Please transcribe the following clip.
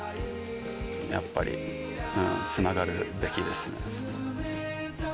やっぱりつながるべきですね。